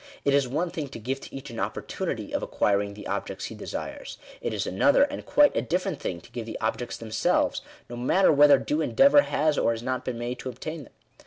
It is one thing to give to each an op portunity of acquiring the objects he desires; it is another, and quite a different thing, to give the objects themselves, no matter whether due endeavour has or has not been made to obtain them.